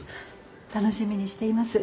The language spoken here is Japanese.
楽しみにしています。